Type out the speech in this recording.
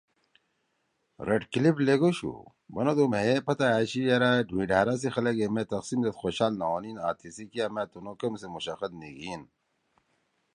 ریڈکلف لیگُوشُو بَنَدُو مھیئے پتہ أشی یِرأ دُھوئں ڈھأرا سی خلَگے مے تقسیم زید خوشال نہ ہونیِن آں تیسی کیا مأ تنُو کم سی مُشَقت نیِگھیِن